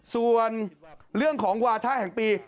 ส่วนเรื่องของวาถะแห่งปี